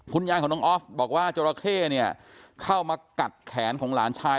คุณยายของน้องออฟบอกว่าจราเข้เนี่ยเข้ามากัดแขนของหลานชาย